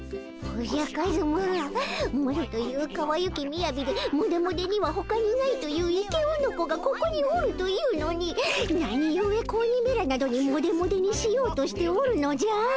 おじゃカズママロというかわゆきみやびでモデモデにはほかにないというイケオノコがここにおるというのに何ゆえ子鬼めらなどにモデモデにしようとしておるのじゃ。